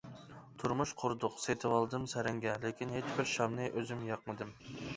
تۇرمۇش قۇردۇق، سېتىۋالدىم سەرەڭگە، لېكىن ھېچبىر شامنى ئۆزۈم ياقمىدىم.